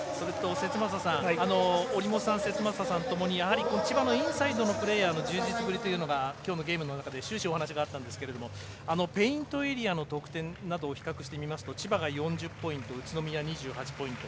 節政さん折茂さん、節政さんともにやはり千葉のインサイドのプレーヤーの充実ぶりというのがきょうのゲームの中で終始お話があったんですがペイントエリアの得点などを比較してみると千葉が４０ポイント宇都宮、２８ポイント。